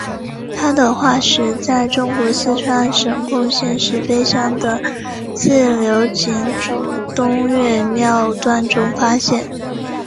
它的化石在中国四川省珙县石碑乡的自流井组东岳庙段中发现。